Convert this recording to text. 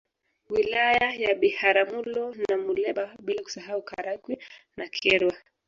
Wilaya ya Biharamulo na Muleba bila kusahau Karagwe na Kyerwa